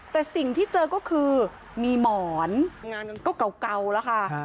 แต่สิ่งที่เจอก็คือมีหมอนก็เก่าแล้วค่ะ